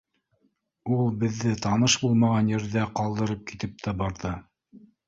Ул беҙҙе таныш булмаған ерҙә ҡалдырып китеп тә барҙы.